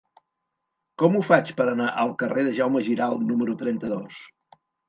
Com ho faig per anar al carrer de Jaume Giralt número trenta-dos?